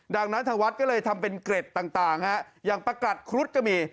ดังนั้นทางวัดก็เลยทำเป็นเกร็ดต่างฮะอย่างประกัดครุฑก็มี